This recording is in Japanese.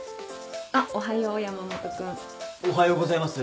あっおはよう山本君。おはようございます。